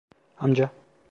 Amca!